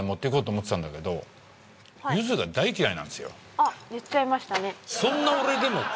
あっ言っちゃいましたね。